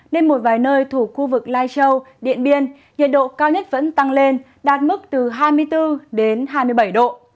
nên một vài nơi thuộc khu vực lai châu điện biên nhiệt độ cao nhất vẫn tăng lên đạt mức từ hai mươi bốn đến hai mươi bảy độ